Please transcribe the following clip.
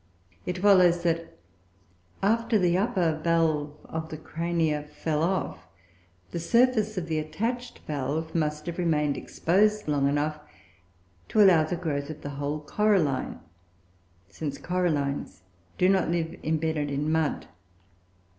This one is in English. It follows that, after the upper valve of the Crania fell off, the surface of the attached valve must have remained exposed long enough to allow of the growth of the whole coralline, since corallines do not live embedded in mud.